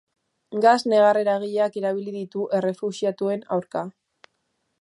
Gas negar-eragileak erabili ditu errefuxiatuen aurka.